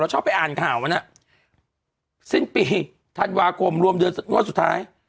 ชอบไปอ่านข่าววันนั้นสิ้นปีธันวาคมรวมเดือนงวดสุดท้าย